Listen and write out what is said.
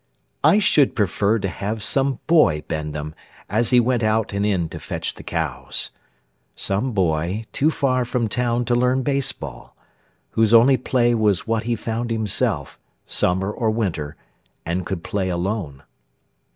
I should prefer to have some boy bend them As he went out and in to fetch the cows Some boy too far from town to learn baseball, Whose only play was what he found himself, Summer or winter, and could play alone.